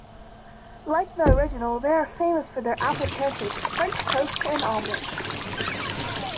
Like the original, they are famous for their apple pancakes, French toast, and omelettes.